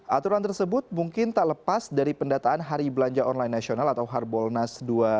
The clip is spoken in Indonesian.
aturan tersebut mungkin tak lepas dari pendataan hari belanja online nasional atau harbolnas dua ribu dua puluh